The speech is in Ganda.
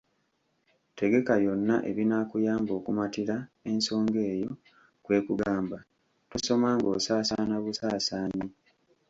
Tegeka byonna ebinaakuyamba okumatira ensonga eyo; kwe kugamba, tosoma ng’osaasaana busaasaanyi!